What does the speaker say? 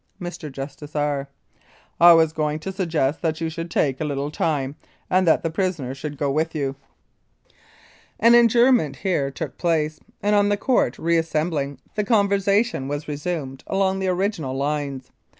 Mr. JUSTICE R. : I was just going to suggest that you should take a little time, and that the prisoner should go with you. 20; Mounted Police Life in Canada An adjournment here took place, and on the Court re assembling, the conversation was resumed along the original lines.